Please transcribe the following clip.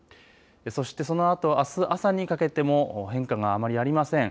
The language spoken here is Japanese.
そして、そのあとあす朝にかけても変化があまりありません。